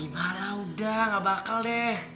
malah udah gak bakal deh